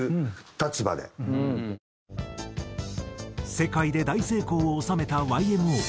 世界で大成功を収めたＹＭＯ。